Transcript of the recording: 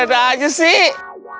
ada ada aja sih